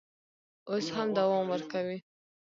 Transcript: اوس هم دوام ورکوي.